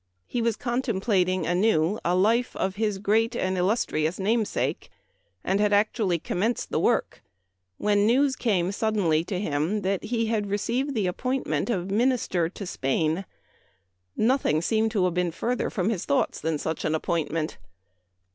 He was contemplating anew a Life of his great and illustrious namesake, and had actually com menced the work, when news came suddenly to him that he had received the appointment of Minister to Spain. Nothing seemed to have been further from his thoughts than such an ap pointment.